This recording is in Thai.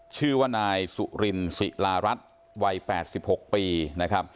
ชื่อว่านายสุรินศรีลารัตร์วัยแปดสิบหกปีนะครับ